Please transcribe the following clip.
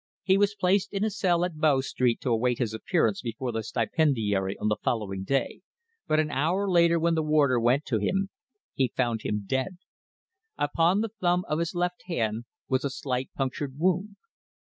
He was placed in a cell at Bow Street to await his appearance before the stipendiary on the following day, but an hour later when the warder went to him he found him dead. Upon the thumb of his left hand was a slight punctured wound.